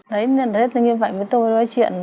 đấy như vậy với tôi nói chuyện